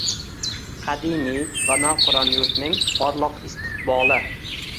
Qadimiy va navqiron yurtning porloq istiqboli